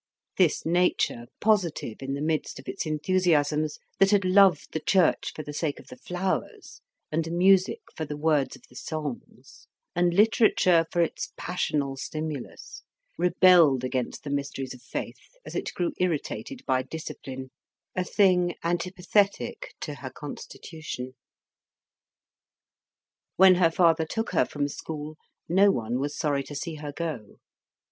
This nature, positive in the midst of its enthusiasms, that had loved the church for the sake of the flowers, and music for the words of the songs, and literature for its passional stimulus, rebelled against the mysteries of faith as it grew irritated by discipline, a thing antipathetic to her constitution. When her father took her from school, no one was sorry to see her go.